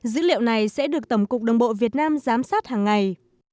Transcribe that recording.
dữ liệu này sẽ được tổng cục đồng bộ việt nam giám sát hàng ngày